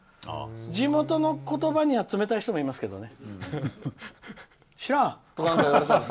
地元の言葉には冷たい人もいますけどね。